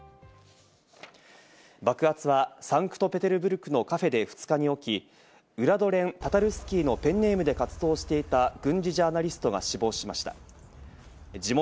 爆発はサンクトペテルブルクのカフェで２日に起き、ウラドレン・タタルスキーのペンネームで活動していた軍事ジャーナリストが死亡しました。